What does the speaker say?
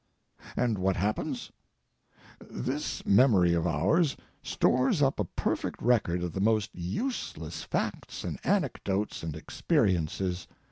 And what happens? This memory of ours stores up a perfect record of the most useless facts and anecdotes and experiences.